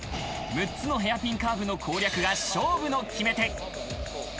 ６つのヘアピンカーブの攻略が勝負の決め手。